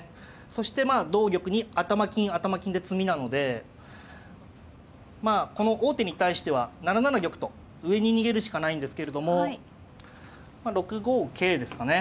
そしてまあ同玉に頭金頭金で詰みなのでまあこの王手に対しては７七玉と上に逃げるしかないんですけれどもまあ６五桂ですかね。